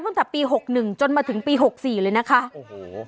ตั้งแต่ปีหกหนึ่งจนมาถึงปีหกสี่เลยนะคะโอ้โห